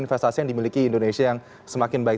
investasi yang dimiliki indonesia yang semakin baik